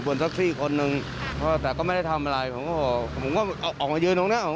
ใครก็ไม่รู้